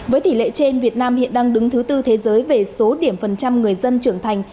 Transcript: với tỷ lệ trên việt nam hiện đang đứng thứ tư thế giới về số điểm phần trăm người dân trưởng thành